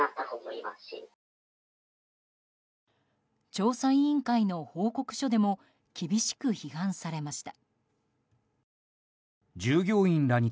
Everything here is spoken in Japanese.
調査委員会の報告書でも厳しく批判されました。